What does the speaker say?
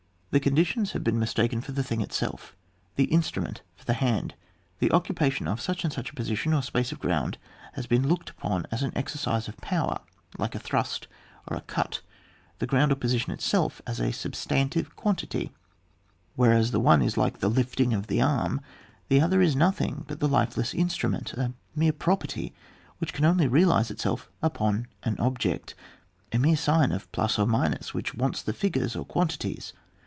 The conditions have been mis taken for the thing itself, the instrument for the hand. The occupation of such and such a position or space of ground, has been looked upon as an exercise of power like a thrust or a cut, the ground or position itself as a substantive quan tity ; whereas the one is like the lifting of the arm, the other is nothing but the lifeless instrument, a mere property which can only realise itself upon an object, a mere sign of plus or minus which wants the figures or quantities.